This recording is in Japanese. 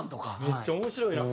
めっちゃ面白いな。